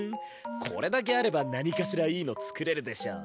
これだけあれば何かしらいいの作れるでしょ。